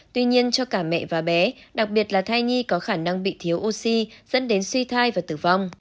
tuy nhiên cho cả mẹ và bé đặc biệt là thai nhi có khả năng bị thiếu oxy dẫn đến suy thai và tử vong